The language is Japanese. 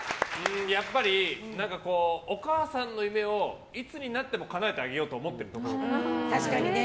やっぱり、お母さんの夢をいつになってもかなえてあげようと思ってるところ。